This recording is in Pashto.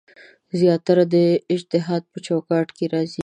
زیاتره د اجتهاد په چوکاټ کې راځي.